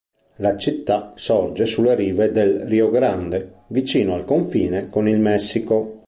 La città sorge sulle rive del Rio Grande, vicino al confine con il Messico.